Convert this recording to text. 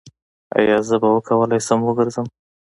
ایا زه به وکولی شم وګرځم؟